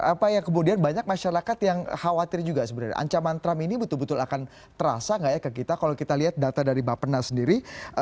apa yang kemudian banyak masyarakat yang khawatir juga sebenarnya ancaman trump ini betul betul akan terasa nggak ya ke kita kalau kita lihat data dari bapak nas sendiri